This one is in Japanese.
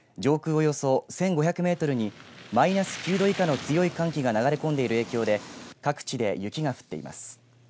およそ１５００メートルにマイナス９度以下の強い寒気が流れ込んでいる影響で各地で雪が降っています。